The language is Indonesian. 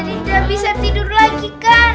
tidak bisa tidur lagi kan